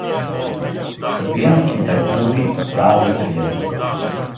Србијански 'тајкуни' дали приједлог